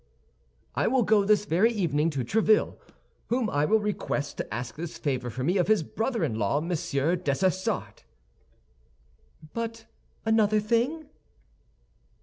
"I will go this very evening to Tréville, whom I will request to ask this favor for me of his brother in law, Monsieur Dessessart." "But another thing."